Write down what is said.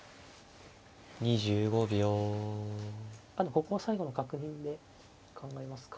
ここは最後の確認で考えますか。